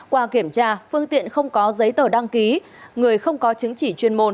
qua kiểm tra phương tiện không có giấy tờ đăng ký người không có chứng chỉ chuyên môn